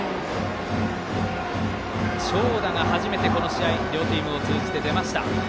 長打が初めて、この試合両チームを通じて出ました。